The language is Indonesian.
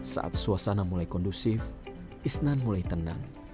saat suasana mulai kondusif isnan mulai tenang